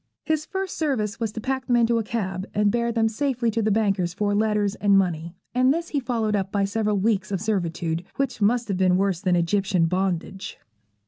His first service was to pack them into a cab and bear them safely to the bankers for letters and money; and this he followed up by several weeks of servitude, which must have been worse than Egyptian bondage.